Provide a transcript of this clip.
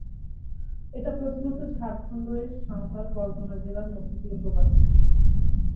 এটা প্রধানত ঝাড়খন্ড-এর সাঁওতাল পরগণা জেলার মধ্য দিয়ে প্রবাহিত।